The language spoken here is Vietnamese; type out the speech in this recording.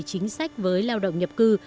chính sách với lao động nhập cư